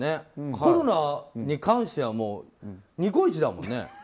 コロナに関してはニコイチだもんね。